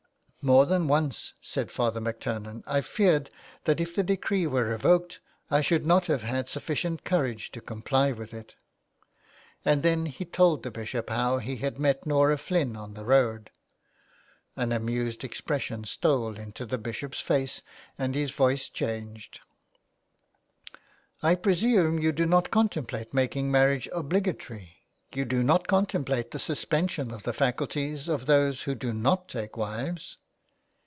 " More than once," said Father MacTurnan, " I feared that if the decree were revoked, I should not have had sufficient courage to comply with it." And then he told the Bishop how he had met Norah Flynn on the road. An amused 193 N A LETTER TO ROME. expsession stole into the Bishop's face, and his voice changed. *' I presume you do not contemplate making marriage obligatory ; you do not contemplate the suspension of the faculties of those who do not take wives